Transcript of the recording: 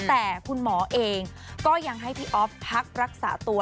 แต่คุณหมอเองก็ยังให้พี่อ๊อฟพักรักษาตัว